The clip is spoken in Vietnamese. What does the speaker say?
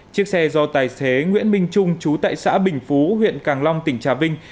chiếc xe do tài xế nguyễn minh trung chú tại xã bình phú huyện càng long tỉnh trà vinh